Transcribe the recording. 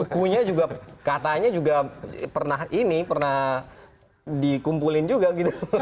bukunya juga katanya juga pernah ini pernah dikumpulin juga gitu